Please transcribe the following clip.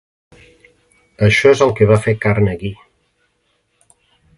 Això és el que va fer Carnegie.